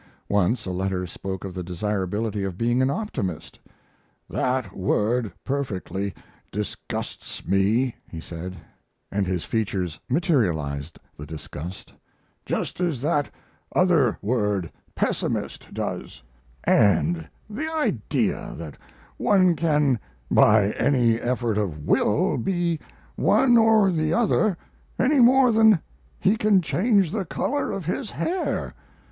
Once a letter spoke of the desirability of being an optimist. "That word perfectly disgusts me," he said, and his features materialized the disgust, "just as that other word, pessimist, does; and the idea that one can, by any effort of will, be one or the other, any more than he can change the color of his hair.